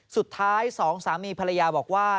สุดท้ายสองสามีภรรยาบอกว่า